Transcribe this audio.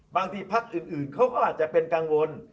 บางทีพักอื่นเขาก็อาจจะเป็นกังวล